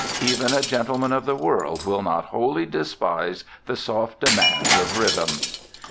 Even a gentleman of the world will not wholly despise the soft demands of rhythm.